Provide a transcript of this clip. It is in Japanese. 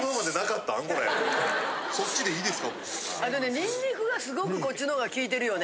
ニンニクがすごくこっちのがきいてるよね。